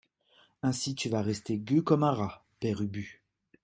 Ainsi tu vas rester gueux comme un rat, Père Ubu.